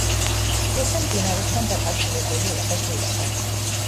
ციხე მდინარესთან დაკავშირებული იყო გვირაბით.